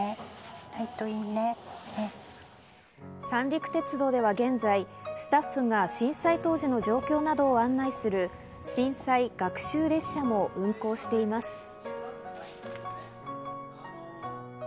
三陸鉄道では現在、スタッフが震災当時の状況などを案内する震災学習列車も運行しています。